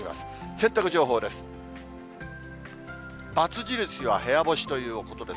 洗濯情報です。